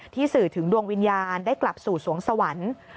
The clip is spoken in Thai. สื่อถึงดวงวิญญาณได้กลับสู่สวงสวรรค์